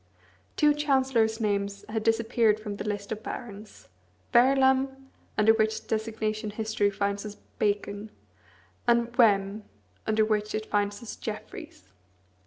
Two chancellors' names had disappeared from the list of barons Verulam, under which designation history finds us Bacon; and Wem, under which it finds us Jeffreys.